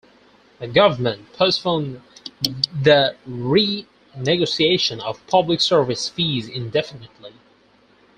The government postponed the renegotiation of public service fees indefinitely.